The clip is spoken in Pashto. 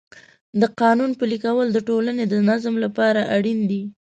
د قانون پلي کول د ټولنې د نظم لپاره اړین دی.